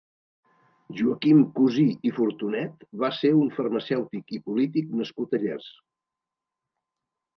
Joaquim Cusí i Furtunet va ser un farmacèutic i polític nascut a Llers.